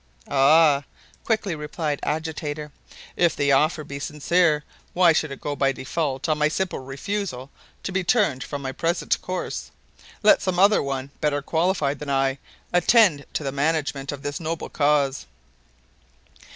"Ah," quickly replied Agitator, "if the offer be sincere, why should it go by default on my simple refusal to be turned from my present course? Let some other one, better qualified than I, attend to the management of this noble cause."